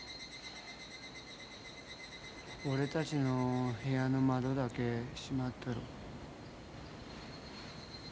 俺たちの部屋の窓だけ閉まっとる。